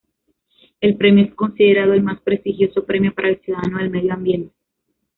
El premio es considerado el más prestigioso premio para el cuidado del medio ambiente.